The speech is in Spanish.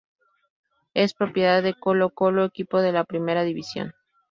Es propiedad de Colo-Colo, equipo de la Primera División.